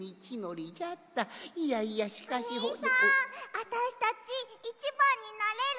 あたしたちいちばんになれる？